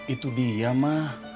itu dia ma